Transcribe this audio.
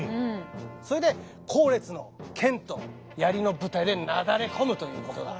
それで後列の剣と槍の部隊でなだれ込むということだ。